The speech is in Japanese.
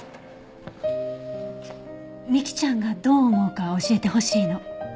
美貴ちゃんがどう思うか教えてほしいの。